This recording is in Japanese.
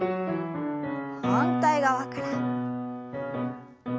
反対側から。